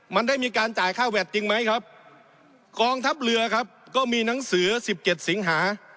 มันได้มีการจ่ายค่าแวดจริงไหมครับกองทัพเรือครับก็มีหนังสือสิบเจ็ดสิงหา